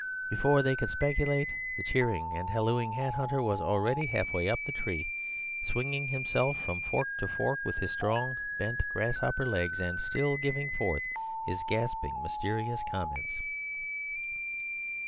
Before they could speculate, the cheering and hallooing hat hunter was already halfway up the tree, swinging himself from fork to fork with his strong, bent, grasshopper legs, and still giving forth his gasping, mysterious comments.